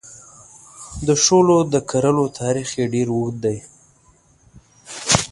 د شولو د کرلو تاریخ یې ډېر اوږد دی.